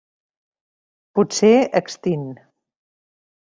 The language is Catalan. Potser extint.